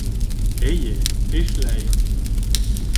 Эйе, эшләйем